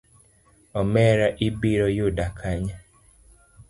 Omera ibiro yuda kanye?